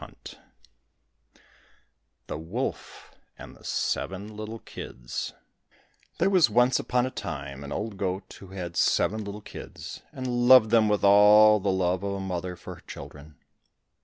5 The Wolf and the Seven Little Kids There was once upon a time an old goat who had seven little kids, and loved them with all the love of a mother for her children.